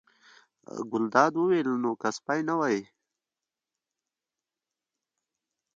ګلداد وویل: نو که سپی نه وي.